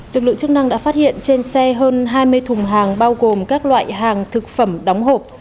lực lượng chức năng đã phát hiện trên xe hơn hai mươi thùng hàng bao gồm các loại hàng thực phẩm đóng hộp